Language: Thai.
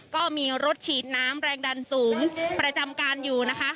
ก็มีรถฉีดน้ำแรงดันสูงประจำการอยู่นะคะ